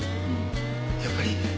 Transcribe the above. やっぱり。